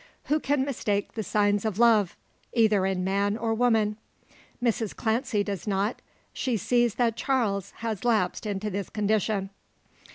Who can mistake the signs of love, either in man or woman? Mrs Clancy does not. She sees that Charles has lapsed into this condition.